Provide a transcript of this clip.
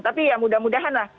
tapi ya mudah mudahan lah